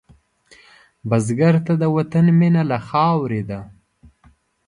بزګر ته د وطن مینه له خاورې ده